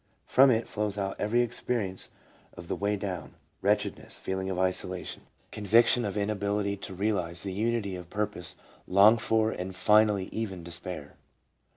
From it flows out every experience of the " way down :" wretchedness, feeling of isolation, conviction of ina 346 LETTBA : bility to realize the unity of purpose longed for and finally even despair.